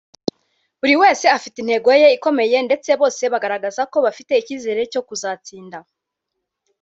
buri wese afite intego ye ikomeye ndetse bose bagaragaza ko bafite icyizere cyo kuzatsinda